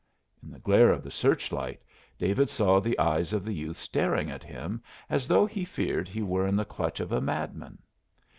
In the glare of the search light David saw the eyes of the youth staring at him as though he feared he were in the clutch of a madman.